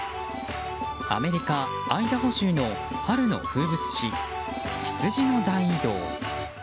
アメリカ・アイダホ州の春の風物詩ヒツジの大移動。